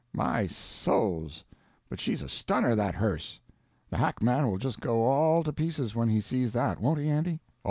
"My souls but she's a stunner, that hearse! The hackman will just go all to pieces when he sees that won't he Andy?"